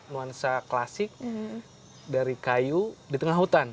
nuansa klasik dari kayu di tengah hutan